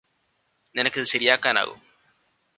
നിനക്കിത് ശരിയാക്കാനാകും